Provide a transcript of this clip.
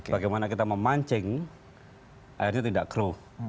bagaimana kita memancing akhirnya tidak growth